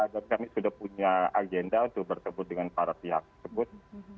dan kami sudah punya agenda untuk bertemu dengan para pihak tersebut